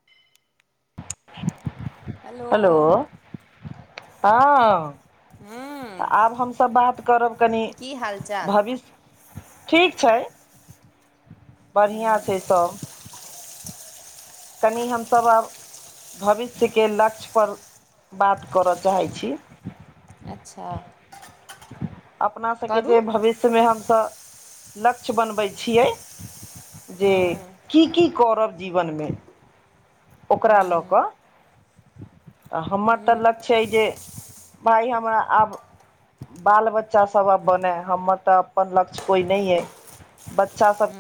[unintelligible] Hello हाँ हूँ आब हमसभँ बात करब कनि की हाल चाल भविष्य ठीक छैय बढ़िआँ छैय सभँ कनि हमस आब भविष्यके लक्ष्य पर बात करऽ चाहैत छी अच्छा। अपना सभके करू जे भविष्यमे हमसभ लक्ष्य बनबै छियै जेय की की करब जीवनमे ओकरा लऽ कऽ हमर तऽ लक्ष्य एजे भाय हमरा आब बाल बच्चा सब आ बने हमर तऽ अपन लक्ष्य कोई नऽ है बच्चा सब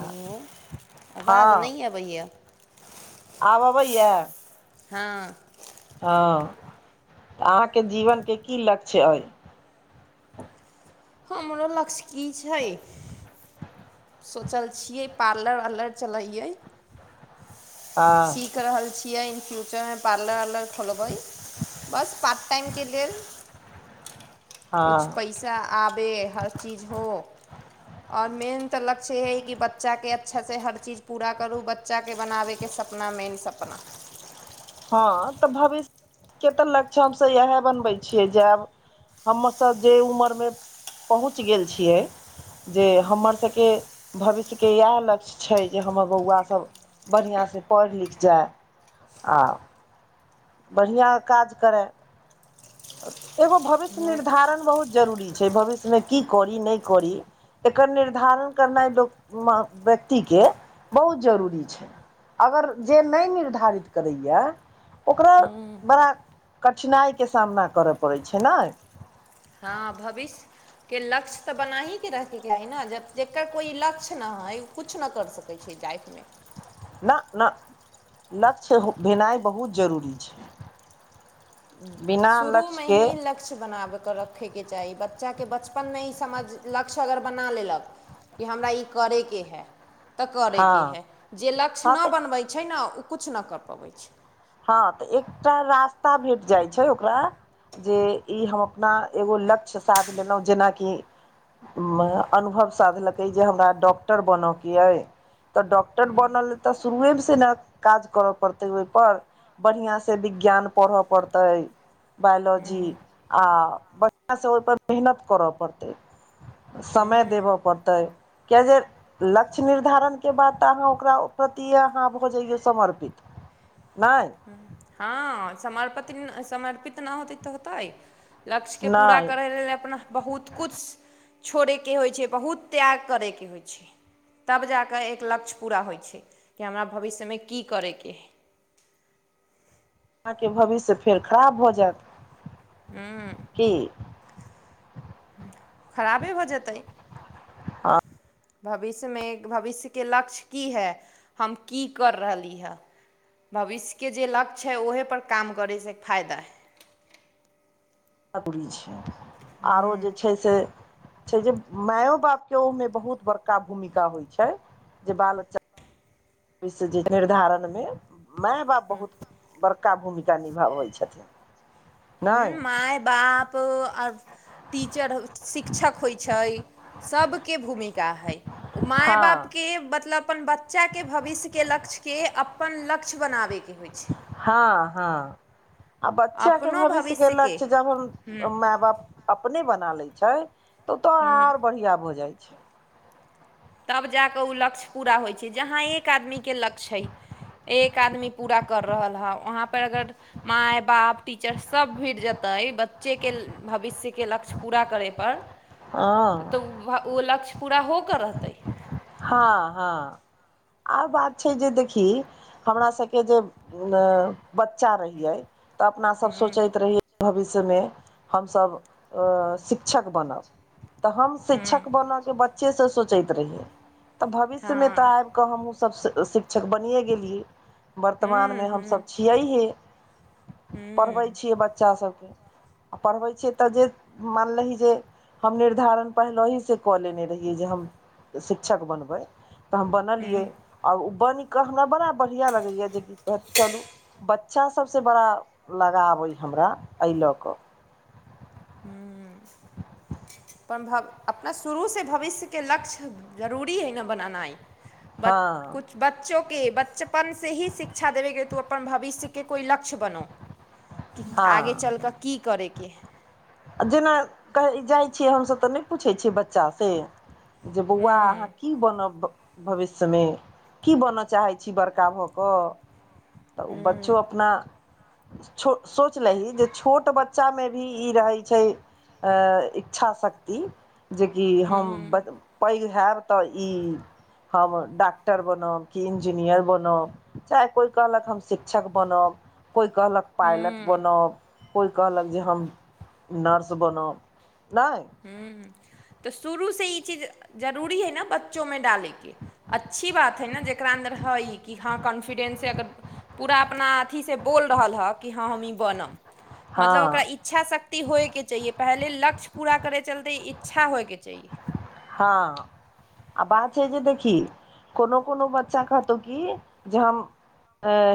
आ आवाज नहि अबैया आब अबैया हाँ ओ अहाँके जीवनके की लक्ष्य अइ हमरो लक्ष्य की छैय सोचल छियै पार्लर वार्लर चलैयए हाँ सीख रहल छियै इन फ्यूचरमे पार्लर वार्लर खोलबै बस पार्ट टाइमके लेल किछु हँ पैसा आबे हर चीज हो आओर मेन तऽ लक्ष्य हइ कि बच्चाके अच्छासँ हर चीज पूरा क्ररु ब च्चा के बनाबे के सपना मेन सपना हाँ तऽ भविष्यके तऽ लक्ष्य हमसभ इएह बनबै छियै जायब हमसभ जे उमरमे पहुँच गेल छियै जे हमर सभके भविष्यके इएह लक्ष्य छैय जे हमर बौआसभ बढ़िआँसँ पढ़ि लिख जाइ आ बढ़िआँ काज करैय एगो भविष्य निर्धारण बहुत जरूरी छैय भविष्यमे की करी नहि करी एकर निर्धारण करनाइ लोक मऽ व्यक्तिके बहुत जरूरी छैय अगर जे नहि निर्धारित करैया ओकरा बड़ा कठिनाइके सामना करऽ पड़ै छैय नहि हाँ भविष्य के लक्ष्य तऽ बनहिके रहके चाहि नऽ जकर कोइ लक्ष्य नऽ हइ किछु नहि करि सकै छियै लाइफमे ना ना लक्ष्य ह भेनाइ बहुत जरूरी छैय बिना शुरूमे लक्ष्यके ही लक्ष्य बनाबयके रखै केँ चाही बच्चा केँ बचपनमे ई समझ लक्ष्य अगर बना लेलक कि हमरा ई करयके है तऽ हँ करैके हइ जे लक्ष्य हँ ना तऽ बनबै छैय न ओ किछु ना कर पबैत छैय हँ तऽ एकटा रास्ता भेट जाइ छैय ओकरा जेय ई हम अपना एगो लक्ष्य साध लेलौ जेनाकि में अनुभव साधलकै जे हमरा डॉक्टर बनयके अइ तऽ डॉक्टर बनल तऽ शुरुए से न काज कर पड़ते ओइ पर बढ़िआँ स विज्ञान पड़य पड़तै बायोलॉजी आ बढ़िया स ओइ पर मेहनत कर पड़तै। समय देबै पड़तै किएक जे लक्ष्य निर्धारण केँ बाद तऽ अहाँ ओकरा प्रति अहाँ भऽ जइयौ समर्पित नै हँ समर्पितीन समर्पित नै होतै तऽ होतै लक्ष्य केँ पूरा नहि करै लेल अपना बहुत कुछ छोड़ैके होइत छै बहुत त्याग करैके होइत छै। तब जा कऽ एक लक्ष्य पूरा होइ छै कि हमरा भविष्यमे की करैके है अहाँ केँ भविष्य फेर खराब भऽ जायत [unintelligible] की खराबे भऽ जेतै भविष्य में एक भविष्य केँ लक्ष्य की है? हम की कर रहली हँ भविष्य केँ जे लक्ष्य है ओहेपर काम करैसँ फायदा हइ। [unintelligible] आरो जे छै से से छै जे माइयो बाप केँ ओइमे बहुत बड़का भूमिका होइ छै। जे बाल बच्चा [inaudible] जे [unintelligible] निर्धारणमे माय बाप बहुत बड़का भूमिका निभाबाबै छथिन। नहि हु माय बाप और टीचर हो शिक्षक होइ छै सभ केँ भूमिका है ओ माय हँ बाप केँ मतलब अपन ब बच्चा केँ भविष्य केँ लक्ष्यके अपन लक्ष्य बनाबैके होइ छै। हँ हँ [inaudible] आ बच्चा केँ भविष्यके लक्ष्य जब हम माय बाप अपने बना लै छै ओ तऽ हु आर बढ़िआँ भऽ जाइ छै तब जा कऽ ओ लक्ष्य पूरा होइ छै जहाँ एक आदमी केँ लक्ष्य है एक आदमी पूरा कर रहल हइ वहाँ पर अगर माय बाप टीचर सभ भिड़ जेतै बच्चे केँ भविष्य केँ लक्ष्य पूरा करै पर [unintelligible] तऽ ओ लक्ष्य पूरा होके रहतै। हँ हँ। आर बात छै जे देखी हमरा सब केँ जे बच्चा रहियै तऽ अपना सब सोचैत रहिय भविष्य में हम सभ शिक्षक बनब। तऽ हम शिक्षक बन के बच्चे से सोचैत रहियै। तऽ भविष्यमे हँ तऽ आबि कऽ हमहूँसभ शिक्षक बनिए गेलियै। हुँ वर्तमानमे हुँ हमसभ छियैहे हुँ पढ़बै छियै बच्चा सभके। आ पढ़बै छियै तऽ जे मानलही जे। हम निर्धारण पहिलेहि से कऽ लेने रहियै जे हम श शिक्षक बनबै तऽ हम बनलियै आओर ओ बनि कऽ हमरा बड़ा बढ़िआँ लगैए जेकि चलू बच्चा सभसँ बड़ा लगाव अइ हमरा एहि लऽ कऽ हू [unintelligible] अपन भऽ अपना शुरूसँ भविष्यके लक्ष्य जरूरी हइ ने बनेनाइ बच हँ किुछु बच्चोके बचपनसँ ही शिक्षा देबेके तू अपन भविष्यके कोइ लक्ष्य बनउ। [inaudible] आगे चलि कऽ की करयकेइ, आ जेना कहै जाइ छियै हमसभ तऽ नहि पूछै छियै बच्चासँ- जे बौआ अहाँ की बनब भविष्यमे की बनय चाहैत छी बड़का भऽ कऽ तऽ ओ बच्चो अपना सोचलही जे छोट बच्चा मे भी ई रहै इच्छा शक्ति जे कि हम हुँ पेघ हबिय तऽ ई हम डॉाक्टर बनब कि इन्जीनियर बनब चाहे कोइ कहलक हम शिक्षक बनब कोइ कहलक पायलट हुँ बनब कोइ कहलक जे हम नर्स बनब, नहि हू तऽ शुरूसँ ई चीज जरूरी हइ ने बच्चोमे डालैके अच्छी बात हइ ने जकरा अन्दर हइ कि हँ कॉन्फिडेंसे अगर पूरा अपना अथीसँ बोल रहल हँ कि हँ हम ई बनम, हँ मतलब ओकरा इच्छा शक्ति होइके चाहिए पहिले लक्ष्य पूरा करैके चलते इच्छा होइके चाही हँ। आ बात छै जे देखी कोनो कोनो बच्चा कहतौ की जे हम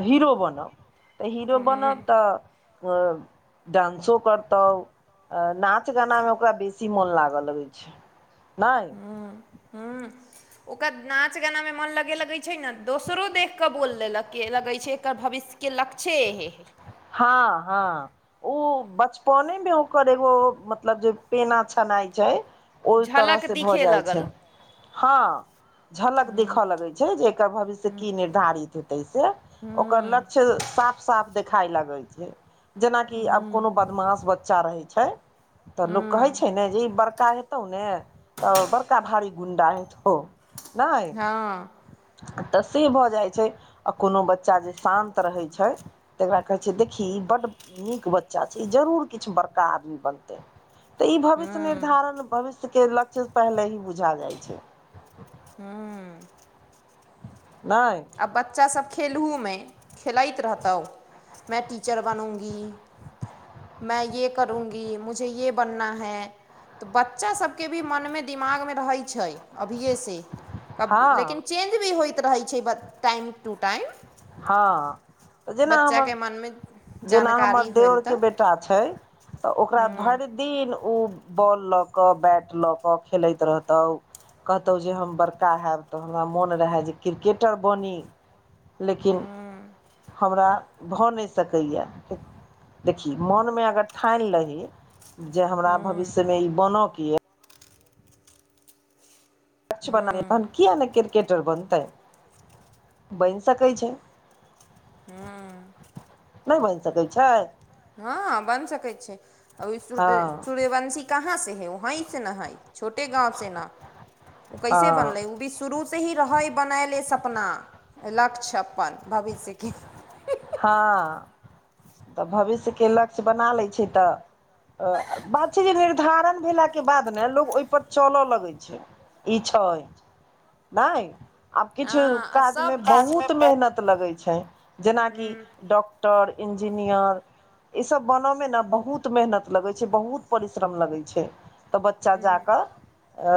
हीरो बनब तऽ हीरो बनत तऽ डानं्सो करतौ नाच नाच गाना मे ओकरा बेसी मोन लागल रहगै छै नहि, ओकर नाच गानामे मोन लगे लगैत छै नऽ दोसरो देख कऽ बोल लेल लगैत छै एकर भविष्य के लक्ष्ये इहे हेय हँ हँ। ओ बचपनेमे ओकर एगो मतलब जे पेना छनाइ छै, ओहि झलक तरहसँ भऽ दिखे जाइत छै लगल हँ झलक देखऽ लगैत छै जे एकर भविष्य की निर्धारित हेतै से ओकर लक्ष्य साफ साफ देखाय लगै छै, जेनाकि आब कोनो बदमाश बच्चा रहै छै, तऽ लोक कहै छै ने जे ई बड़का हेतौ ने तऽ बड़का भारी गुं्डा हेतउ- हँ। तऽ से भऽ जाइ छै आ कोनो बच्चा जे शान्त रहै छै, तेकरा कहै छै देखी ई बड्ड नीक बच्चा छै ई जरूर किछु बड़का आदमी बनतै तऽ ई भविष्य निर्धारण भविष्यके लक्ष्य पहिले ही बुझा जाइ छै, हूँ नाई आ बच्चासब खेलहुमे खेलएत रहताउ मै टीचर बनूंगी मै ये करूगी मुझे ये बनना है, तऽ बच्चा सबके भी मनमे दिमागमे रहै छै अभियेसे टब हँ लेकिन चेंज भी होइत रहै छै टाइम टू टाइम हँ तऽ जेना हमर बच्चाके मनमे जेना हमर जानकारी होइल देवरके तऽ बेटा छै तऽ ओकरा भरि दिन उ बॉल लऽ कऽ बैट लऽ कऽ खेलैत रहतै तऽ कहतौ जे हम बड़का हैब तऽ हमरा मोन रहए जे हम क्रिकेटर बनी लेकिन हमरा भऽ नै सकैया मन मे अगर ठानि लही जे हमरा भविष्य मे ई बन के किछ तहन कीया ने क्रिकटर बनताय बनि सकै छैय हुँ नै बनि सकै छाय हाँ बन सकै छैय आ सू्य हँ सूर्यवंशी कहाँ से है वही से न हइ छोटे गाँंव से न ओ कैसे हँ बनलै ओ बी सु शुरूसँ ही रहै बनायले सपना लक्ष्य अपन भविष्यके हाँ तऽ भविष्यके लक्ष्य बना लै छीयै तऽ बात छैय जे निर्धारण भेलाके बाद ने लोको ओईपर चलऽ लगै छैय ई छैय नाय आब किछु हँ आ काज मे सब बहुत मेहनत लगै छैय जेना डॉक्टर इंजीनियर इ सब बन मे न बहुत मेहनत लगै छैय बहुत परिश्रम लगै छैय तऽ बच्चा जा कऽ अ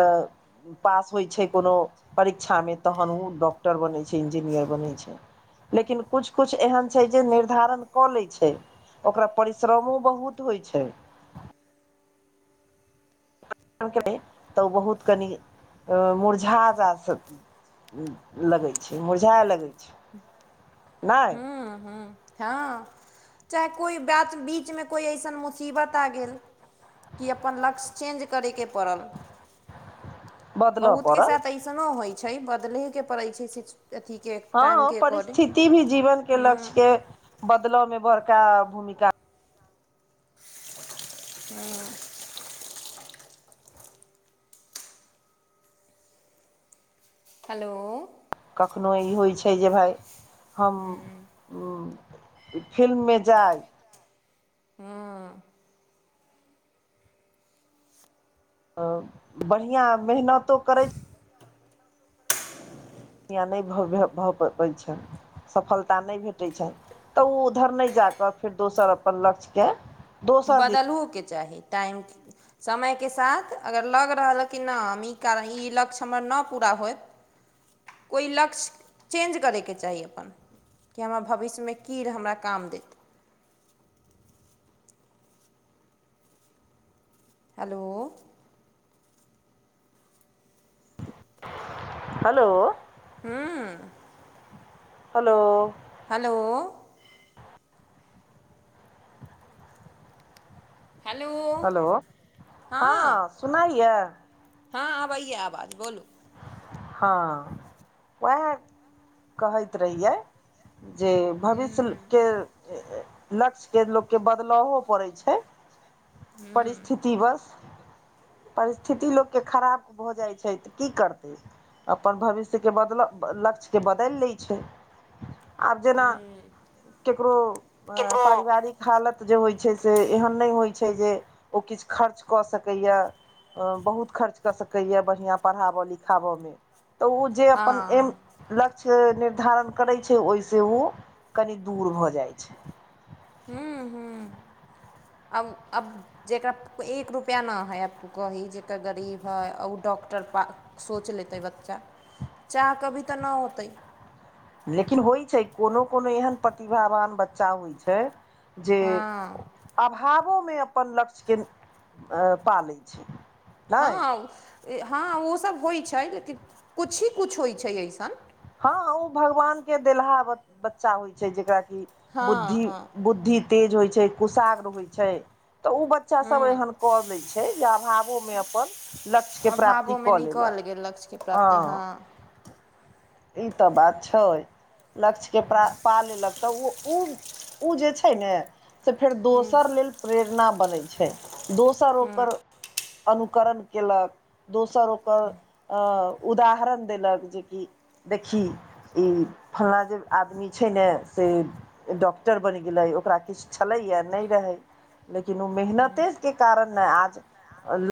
पास होइ छैय कोनो परीक्षामे तहन उ डॉक्टर बनै छैय इंजीनियर बनै छैय लेकिन कुछ कुछ एहन छैय जे निर्धारण कऽ लै छैय ओकरा परिश्रमो बहुत होइ छैय। [unintelligible] तऽ ओ बहुत कनि मुरझा [unintelligible] लगै छैय मुरझाइ लगै छैय नाय हाँ चाहे कोइ बात बीचमे कोइ अइसन मुसीबत आ गेल कि अपन लक्ष्य चेन्ज करैके पड़ल बदलऽ बहुत के पड़ल साथ ऐसनो होइ छैय बदलहेके पड़ै छैय स अथीके हाँ टाइमके अकॉर्डिंग परिस्थिति भी जीवन के लक्ष्य के बदल मे बड़का भूमिका हँ हलो कखनो ई होइ छैय जे भाय हम हूँ फिल्ममे जाइ हँ अ बढ़िआँ मेहनतो करैत [inaudible] या नहि भऽ पबैत छैय सफलता नहि भेटै छनि तऽ ओ उधर नहि जा कऽ फेर दोसर अपन लक्ष्यके दोसर दि बदलहोके चाही टाइम समयके साथ अगर लग रहल कि नहि हम ई कारण ई लक्ष्य हमर नहि पूरा होय [inaudible] कोइ लक्ष्य चेंज करैके चाही अपन कि हमरा भविष्यमे कीै हमरा काम देत हेलो हेलो हुँ हेलो हेलो हेलो हेलो हँ हाँ सुनाइए हाँ अब आबैया आवाज बोलू हाँ ओएह कहैत रहियै जे भविष्यके लक्ष्यके लोककेँ बदलावो पड़ै छैय हूँ परिस्थिति बस परिस्थिति लोकके खराब भऽ जाइ छैय तऽ की करतै अपन भविष्य के बदलाव लक्ष्यके बदलि लै छैय। आब जेना हूँ ककरो अ केकरो पारिवारिक कि हालत जे होइत छै से एहन नहि होइत छै जे ओ किछु खर्च कऽ सकैए बहुत खर्च कऽ सकैए बढ़िआँ पढ़ाबय लिखाबयमे तऽ ओ जे अपन एम हँ लक्ष्य निर्धारण करै छैय ओहिसँ ओ कनि दूर भऽ जाइत छैय हूँ हूँ आब अब जकरा एक रुपैआ नहि हइ आब तू कही जेकर गरीब हइ आ ओ डॉक्टर पा सोच लेतै बच्चा चाह कऽ भी तऽ नहि होतै लेकिन होइत छै कोनो कोनो एहन प्रतिभावान बच्चा होइत छै जे हँ अभावोमे अपन लक्ष्यके पा लै छैय, हँ हँ ओसभ होइ छै लेकिन किुछु ही किुछ होइ छै अइसन हँ ओ भगवान के देलहा बच्चा होइ छै जेकरा कि हँ बुद्धि हँ बुद्धि तेज होइ छै कुशाग्र होइ छै तऽ ओ बच्चा सब एहन कऽ ले छै जे अभावो में अपन लक्ष्य के प्राप्ति कऽ लेलक, लक्ष्य कऽ प्राप्ती हँ। ई तऽ बात छै लक्ष्यकेा पा लेलक तऽ ओ ओ उ जे छै ने से फेर दोसर लेल प्रेरणा बनैत छै, दोसर ओकर अनुकरण केलक दोसर ओकर अ उदाहरण देलक जेकि देखी ई फलला जे आदमी छै ने से डॉक्टर बनि गेलै ओकरा किछु छलैएा नहि रहै लेकिन ओ मेहनते के कारण ने आज